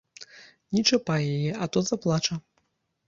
Не чапай яе, а то заплача!